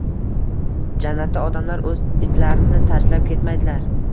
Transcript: Jannatda odamlar o‘z itlarini tashlab ketmaydilar